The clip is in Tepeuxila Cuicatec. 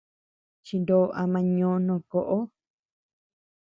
Chinó ama ñò no koʼo.